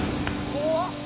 怖っ。